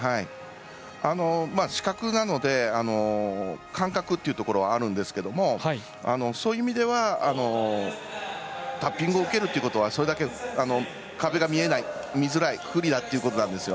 視覚なので感覚というところはあるんですけれどもそういう意味ではタッピングを受けるということは、それだけ壁が見えない、見づらい不利だということです。